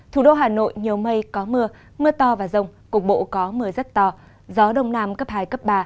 thủ đô hà nội nhiều mây có mưa mưa to và rông cục bộ có mưa rất to gió đông nam cấp hai cấp ba